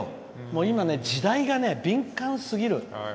今ね、時代が敏感すぎる。